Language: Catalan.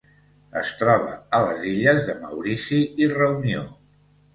Es troba a les illes de Maurici i Reunió.